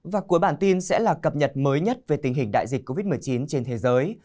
và cuối bản tin sẽ là cập nhật mới nhất về tình hình đại dịch covid một mươi chín trên thế giới